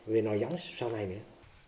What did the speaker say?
về nội giống sau này nữa